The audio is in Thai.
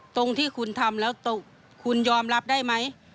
ตรงที่คุณทำแล้วตกคุณยอมรับได้ไหม